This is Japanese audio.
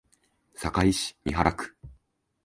堺市美原区